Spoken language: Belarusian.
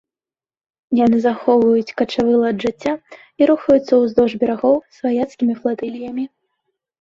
Яны захоўваюць качавы лад жыцця і рухаюцца ўздоўж берагоў сваяцкімі флатыліямі.